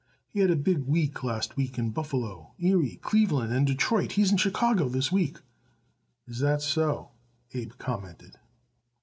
"He had a big week last week in Buffalo, Erie, Cleveland and Detroit. He's in Chicago this week." "Is that so?" Abe commented.